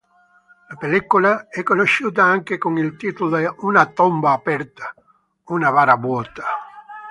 La pellicola è conosciuta anche con il titolo Una tomba aperta... una bara vuota.